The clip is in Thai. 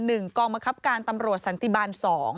กองบังคับการตำรวจสันติบาล๒